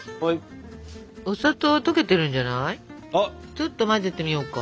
ちょっと混ぜてみようか。